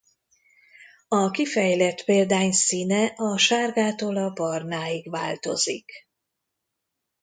A kifejlett példány színe a sárgától a barnáig változik.